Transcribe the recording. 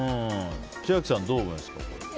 千秋さん、どう思いますか。